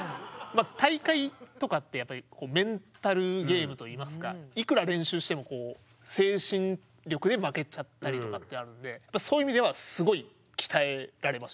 大会とかってやっぱりメンタルゲームといいますかいくら練習してもこう精神力で負けちゃったりとかってあるのでそういう意味ではすごい鍛えられましたよね